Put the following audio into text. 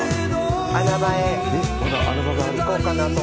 穴場へ行こうかなと。